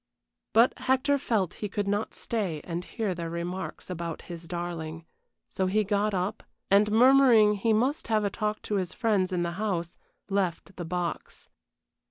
But Hector felt he could not stay and hear their remarks about his darling, so he got up, and, murmuring he must have a talk to his friends in the house, left the box.